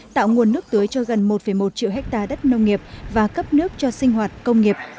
tạo nguồn nước tưới cho gần một một triệu hectare đất nông nghiệp và cấp nước cho sinh hoạt công nghiệp